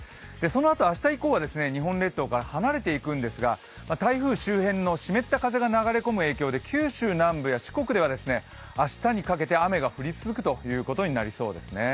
そのあと明日以降は日本列島から離れていくんですが、台風周辺の湿った風が流れ込む影響で九州南部や四国では明日にかけて雨が降り続くということになりそうですね。